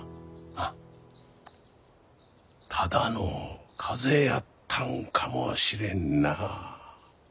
ただの風邪やったんかもしれんな。